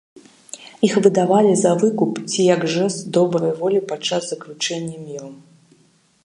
Іх выдавалі за выкуп ці як жэст добрай волі падчас заключэння міру.